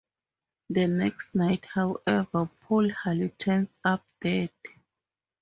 The next night, however, Paul Hale turns up dead.